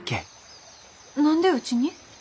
何でうちに？